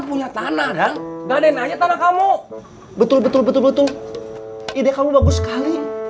mungkin ide kamu bagus sekali